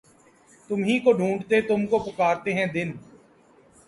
تمہی کو ڈھونڈتے تم کو پکارتے ہوئے دن